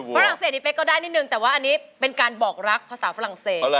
ฝรั่งเศสนี่เป๊กก็ได้นิดนึงแต่ว่าอันนี้เป็นการบอกรักภาษาฝรั่งเศส